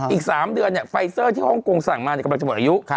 อีก๓เดือนไฟเซอร์ที่ฮ่องกงสั่งมากำลังจะหมดอายุ